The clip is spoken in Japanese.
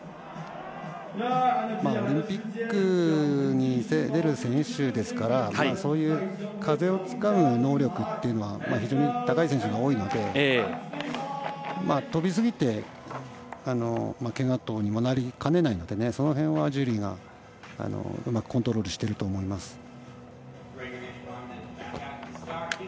オリンピックに出る選手ですからそういう風をつかむ能力というのは非常に高い選手が多いので飛びすぎて、けが等にもなりかねないのでその辺はジュリーがうまくコントロールしてると思います。